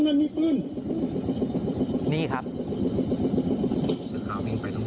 มันมีปืนมันมีปืน